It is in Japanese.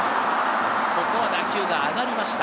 ここは打球が上がりました。